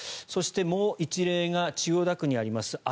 そして、もう１例が千代田区にあります